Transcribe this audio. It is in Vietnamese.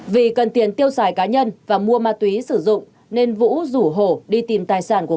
vì cần tiền tiêu xài cá nhân và mua ma túy sử dụng nên vũ rủ hổ đi tìm tài sản của